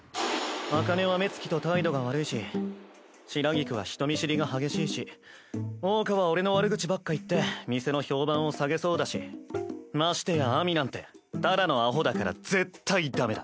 紅葉は目つきと態度が悪いし白菊は人見知りが激しいし桜花は俺の悪口ばっか言って店の評判を下げそうだしましてや秋水なんてただのアホだから絶対ダメだ。